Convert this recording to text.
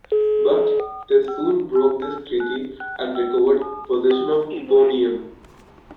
But they soon broke this treaty; and recovered possession of Hipponium.